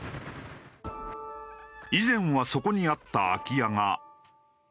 以前はそこにあった空き家が。